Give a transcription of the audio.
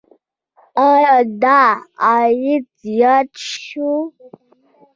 آیا دا عاید زیات شوی؟